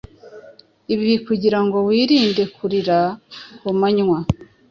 Ibi kugirango wirinde kurira kumanywa,